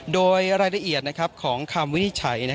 โดยรายละเอียดของคำวินิจฉัย